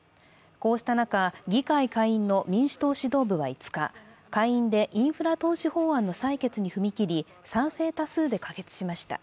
こうした中、議会下院の民主党指導部は５日、下院でインフラ投資法案の採決に踏み切り賛成多数で可決しました。